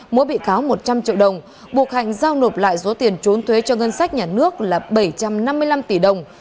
mỗi bị cáo một trăm linh triệu đồng buộc hạnh giao nộp lại số tiền trốn thuế cho ngân sách nhà nước là bảy trăm năm mươi năm tỷ đồng